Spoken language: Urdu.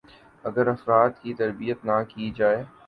ا گر افراد کی تربیت نہ کی جائے